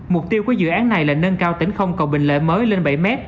mục tiêu của dự án này là nâng cao tỉnh không cầu bình lợi mới lên bảy m